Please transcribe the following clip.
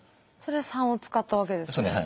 それで３を使ったわけですね。